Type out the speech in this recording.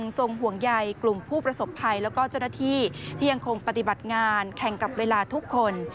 กลุ่มผู้ประสบภัยและเจ้าหน้าที่ยังคงปฏิบัติงานแข่งกับเวลาทุกคน